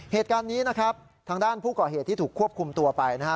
เหตุการณ์นี้นะครับทางด้านผู้ก่อเหตุที่ถูกควบคุมตัวไปนะฮะ